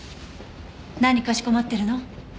何かしこまってるの？